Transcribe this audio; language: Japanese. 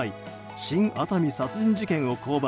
「新・熱海殺人事件」を降板。